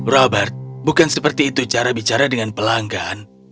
robert bukan seperti itu cara bicara dengan pelanggan